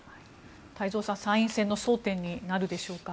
太蔵さん参院選の争点になるでしょうか。